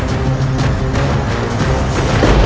atau tentang kakaknya